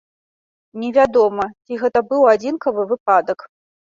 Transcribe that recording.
Невядома, ці гэта быў адзінкавы выпадак.